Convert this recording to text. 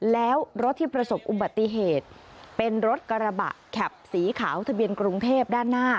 แล้วรถที่ประสบอุบัติเหตุเป็นรถกระบะแข็บสีขาวทะเบียนกรุงเทพด้านหน้า